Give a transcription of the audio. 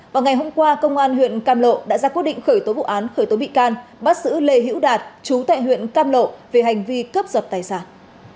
vào ngày hôm qua công an huyện cam lộ đã ra quyết định khởi tố vụ án khởi tố bị can bắt giữ lê hữu đạt chú tại huyện cam lộ về hành vi cướp giật tài sản